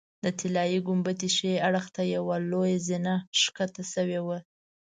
د طلایي ګنبدې ښي اړخ ته یوه لویه زینه ښکته شوې ده.